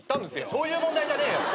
そういう問題じゃねえよ！